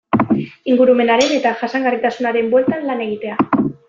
Ingurumenaren eta jasangarritasunaren bueltan lan egitea.